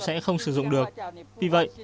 sẽ không sử dụng được vì vậy